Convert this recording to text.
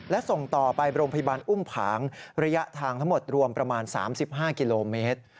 และส่งต่อไปโรงพยาบาลอุ้มผางระยะทางทั้งหมดรวมประมาณ๓๕กิโลเมตร